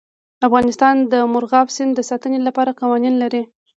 افغانستان د مورغاب سیند د ساتنې لپاره قوانین لري.